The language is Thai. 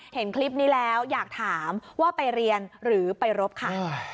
เห็นคลิปนี้แล้วอยากถามว่าไปเรียนหรือไปรบค่ะ